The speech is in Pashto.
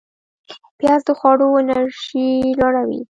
پیاز د خواړو انرژی لوړوي